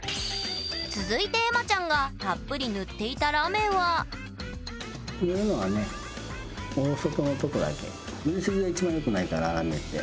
続いてエマちゃんがたっぷり塗っていたラメはラメって。